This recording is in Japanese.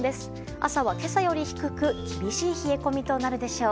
朝は、今朝より低く厳しい冷え込みとなるでしょう。